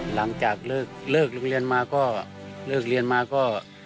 หลังจากเลิกเรียนมาก็